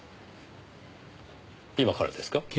今からですか？